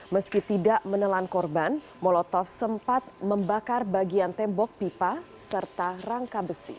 meski tidak menelan korban molotov sempat membakar bagian tembok pipa serta rangka besi